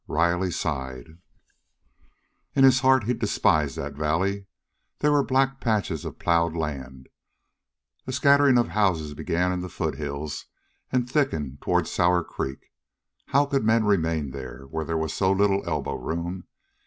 Riley sighed. In his heart he despised that valley. There were black patches of plowed land. A scattering of houses began in the foothills and thickened toward Sour Creek. How could men remain there, where there was so little elbow room?